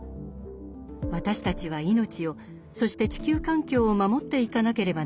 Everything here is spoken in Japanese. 私たちは命をそして地球環境を守っていかなければなりません。